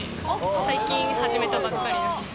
最近始めたばっかりなんです。